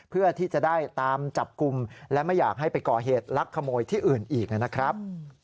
เพื่อที่จะได้ตามจับกลุ่มและไม่อยากให้ไปก่อเหตุลักขโมยที่อื่นอีกนะครับ